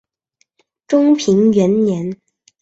中平元年。